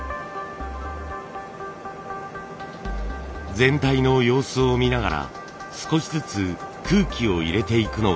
全体の様子を見ながら少しずつ空気を入れていくのがポイント。